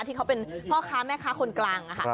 ที่เขาเป็นพ่อค้าแม่ค้าคนกลาง